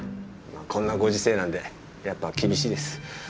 こんなご時世なんでやっぱ厳しいです。